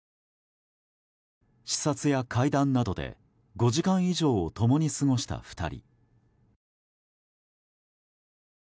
視察や会談などで５時間以上を共に過ごした２人。